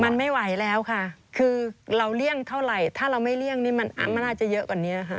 มันไม่ไหวแล้วค่ะคือเราเลี่ยงเท่าไหร่ถ้าเราไม่เลี่ยงนี่มันน่าจะเยอะกว่านี้ค่ะ